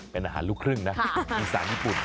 เป็นอาหารลูกครึ่งนะอีสานญี่ปุ่น